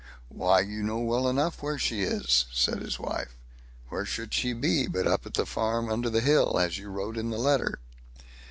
"Why, you know well enough where she is", said his wife. "Where should she be but up at the farm under the hill, as you wrote in the letter."